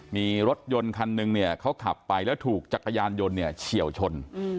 มีรถยนต์คันหนึ่งเขาขับไปแล้วถูกจักรยานยนต์เฉี่ยวชน